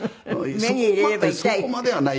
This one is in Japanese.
そこまではない。